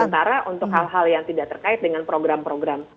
sementara untuk hal hal yang tidak terkait dengan program program